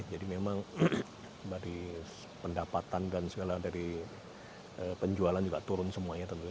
jadi memang dari pendapatan dan segala dari penjualan juga turun semuanya